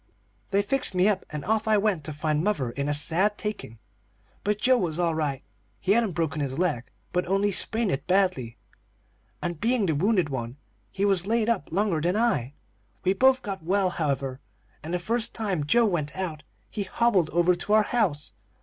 They fixed me up and off I went, to find mother in a sad taking. But Joe was all right; he hadn't broken his leg, but only sprained it badly, and being the wounded one he was laid up longer than I. We both got well, however, and the first time Joe went out he hobbled over to our house.